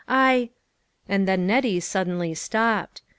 I " and then Nettie suddenly stopped.